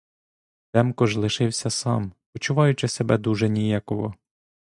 Демко ж лишився сам, почуваючи себе дуже ніяково.